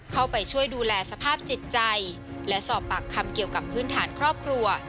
เข้าไปช่วยดูแลสภาพจิตใจและสอบปากคำเกี่ยวกับพื้นฐานครอบครัว